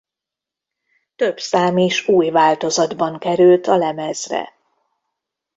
Több szám is új változatban került a lemezre.